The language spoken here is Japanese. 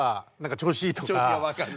調子が分かるって。